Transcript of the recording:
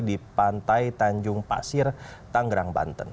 di pantai tanjung pasir tanggerang banten